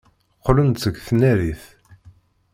Qqlen-d seg tnarit.